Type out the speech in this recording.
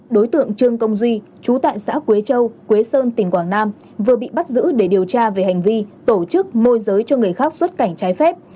đối tượng trương công duy chú tại xã quế châu quế sơn tỉnh quảng nam vừa bị bắt giữ để điều tra về hành vi tổ chức môi giới cho người khác xuất cảnh trái phép